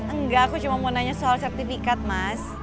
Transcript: enggak aku cuma mau nanya soal sertifikat mas